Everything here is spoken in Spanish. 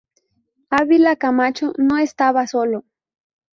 Ávila Camacho no estaba solo.